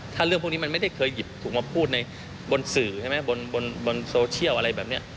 ถ้าเรื่องพวกนี้มันไม่ได้เคยหยิบถูกมาพูดในบนสื่อใช่ไหมบนโซเชียลอะไรแบบนี้